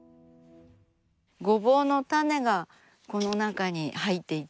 ごぼうの種がこの中に入っていて。